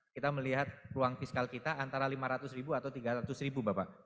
kita melihat ruang fiskal kita antara rp lima ratus atau rp tiga ratus bapak